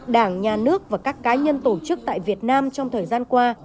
đảng nhà nước và các cá nhân tổ chức tại việt nam trong thời gian qua